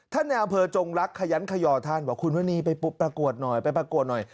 ท่านเอลเวอร์จงรักขยันขยอท่านว่าคุณวันนี้ไปปุ๊บประกวดหน่อยไปประกวดหน่อย